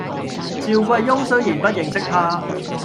趙貴翁雖然不認識他，